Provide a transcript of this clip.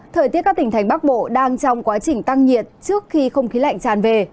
thời tiết các tỉnh thành bắc bộ đang trong quá trình tăng nhiệt trước khi không khí lạnh tràn về